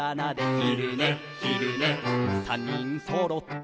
「ひるねひるね」「３人そろって」